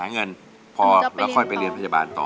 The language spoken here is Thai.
เงินพอแล้วค่อยไปเรียนพยาบาลต่อ